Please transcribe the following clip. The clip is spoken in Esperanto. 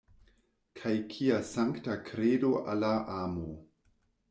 Kaj kia sankta kredo al la amo!